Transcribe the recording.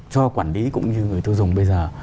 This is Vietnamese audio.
cho quản lý cũng như người tiêu dùng bây giờ